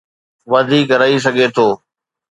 وڌيڪ رهي سگهي ٿو.